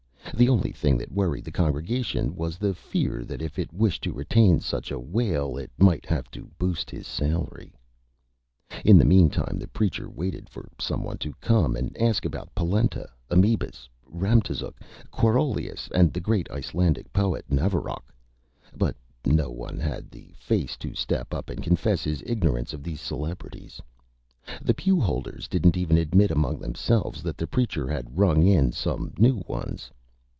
The only thing that worried the Congregation was the Fear that if it wished to retain such a Whale it might have to Boost his Salary. [Illustration: THE JOYOUS PALM] In the Meantime the Preacher waited for some one to come and ask about Polenta, Amebius, Ramtazuk, Quarolius and the great Icelandic Poet, Navrojk. But no one had the Face to step up and confess his Ignorance of these Celebrities. The Pew Holders didn't even admit among themselves that the Preacher had rung in some New Ones.